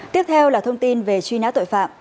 tiếp theo là thông tin về truy nã tội phạm